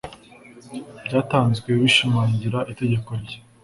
byatanzwe bishimangira itegeko rye